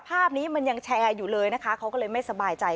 ภาพนี้มันยังแชร์อยู่เลยนะคะเขาก็เลยไม่สบายใจ